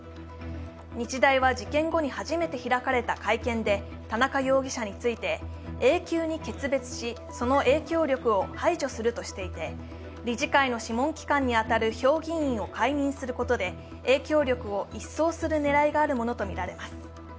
日大は事件後に初めて開かれた会見で田中容疑者について、永久に決別しその影響力を排除するとしていて、理事会の諮問機関に当たる評議員を解任することで影響力を一掃する狙いがあるものとみられます。